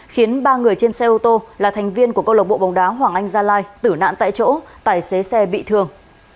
khiến ba người trên xe ô tô là thành viên của câu lộc bộ bóng đá hoàng anh gia lai tử nạn tại chỗ tài xế xe bị thương